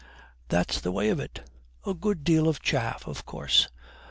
That's the way of it. A good deal of chaff, of course.